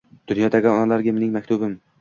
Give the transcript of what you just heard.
Dunyodagi onalarga mening maktubim